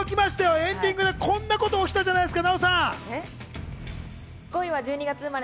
エンディングでこんなこと起きたじゃないですか。